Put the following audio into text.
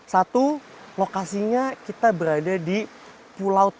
satu lokasinya kita berada di pulau tiga